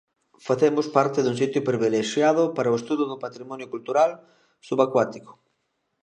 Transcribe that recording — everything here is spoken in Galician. Facemos parte dun sitio privilexiado para o estudo do patrimonio cultural subacuático.